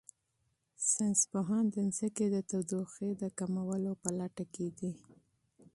ساینس پوهان د ځمکې د تودوخې د کمولو په لټه کې دي.